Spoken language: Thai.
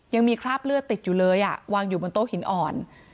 ยังมีคราบเลือดติดอยู่เลยวางอยู่บนโต๊ะหินอ่อน